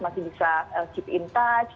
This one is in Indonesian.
masih bisa chip in touch